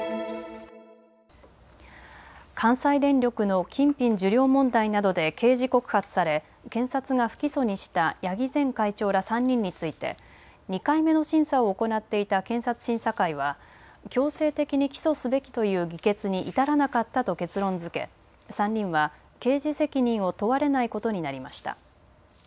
関西電力の金品受領問題などで刑事告発され検察が不起訴にした八木前会長ら３人について２回目の審査を行っていた検察審査会は強制的に起訴すべきという議決に至らなかったと結論づけ３人は刑事責任を問われないことになりました。